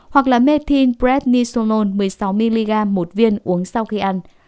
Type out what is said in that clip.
hoặc là methylprednisolone một mươi sáu mg một viên uống sau khi ăn